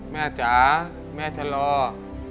แม่จ๋าแม่ทะเลาะ